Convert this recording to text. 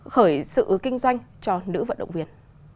khởi sự kinh doanh cho nữ vận động viên